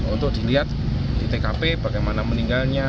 untuk dilihat di tkp bagaimana meninggalnya